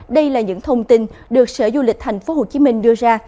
đây là những thông tin được sở du lịch thành phố hồ chí minh đưa ra